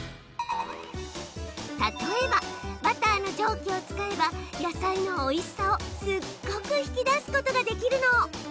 例えば、バターの蒸気を使えば野菜のおいしさをすっごく引き出すことができるの。